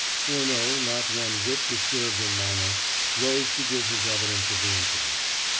Furneaux, not one whit disturbed in manner, rose to give his evidence of the incident.